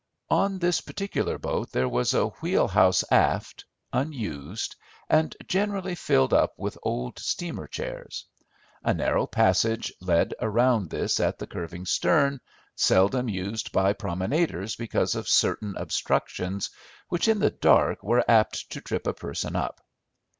On this particular boat there was a wheelhouse aft unused, and generally filled up with old steamer chairs. A narrow passage led around this at the curving stern, seldom used by promenaders because of certain obstructions which, in the dark, were apt to trip a person up.